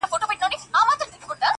څه په کار دي حکمتونه او عقلونه٫